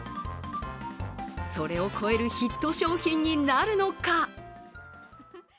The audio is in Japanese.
それを超えるヒット商品になるのか？